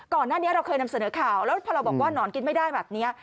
ก่อนหน้านี้เราเคยนำเสนอข่าวแล้วพอเราบอกว่าหนอนกินไม่ได้แบบนี้